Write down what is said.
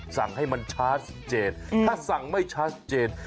สั่งให้มันชาร์จเจนถ้าสั่งไม่ชาร์จเจน